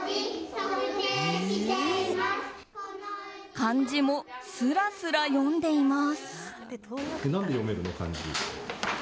漢字もすらすら読んでいます。